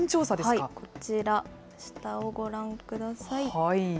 こちら、下をご覧ください。